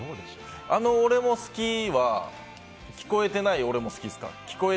あの俺も好きは聞こえてない俺も好きですか？